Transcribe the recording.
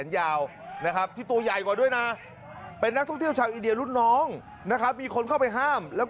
จริงจริงจริงจริงจริงจริงจริงจริงจริงจริง